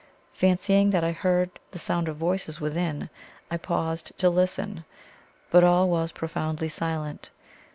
Fancying that I heard the sound of voices within, I paused to listen. But all was profoundly silent.